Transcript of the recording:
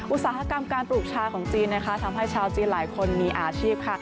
อุตสาหกรรมการปลูกชาของจีนนะคะทำให้ชาวจีนหลายคนมีอาชีพค่ะ